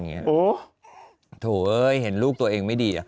ถูหิเป็นเป็นรูปตัวเองไม่ดี